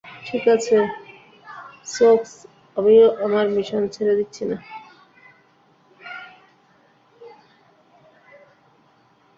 ঠিকাছে, সোকস, আমিও আমার মিশন ছেড়ে দিচ্ছি না।